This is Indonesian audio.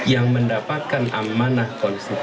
yang mendapatkan amanah konstitusi